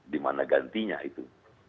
di mana gantinya itu